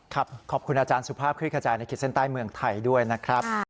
ขอบคุณอาจารย์สุภาพคลิกขจายในขีดเส้นใต้เมืองไทยด้วยนะครับ